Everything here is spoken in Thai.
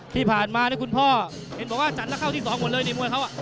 ที่ผ่านมานะคุณพ่อเห็นบอกว่าจัดแล้วเข้าที่๒หมดเลยนี่มวยเขา